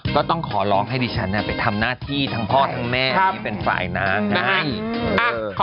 ก็ต้องขอร้องให้ดิฉันไปทำหน้าที่ทั้งพ่อทั้งแม่อันนี้เป็นฝ่ายน้ำนะ